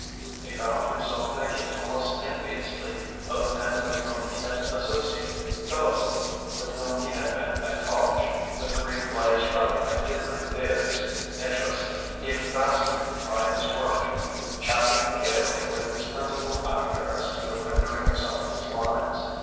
He found himself thinking almost enviously of the men with whom he had associated, Philipson, with whom he had been at college, with three plays running at different theatres, interested, even fascinated by his work, chaffing gaily with his principal actor as to the rendering of some of his lines.